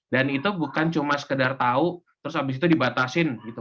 dan itu bukan cuma sekedar tahu terus abis itu dibatasin gitu